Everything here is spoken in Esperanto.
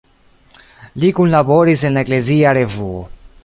Li kunlaboris en la Eklezia Revuo.